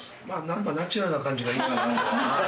ナチュラルな感じがいいなとは。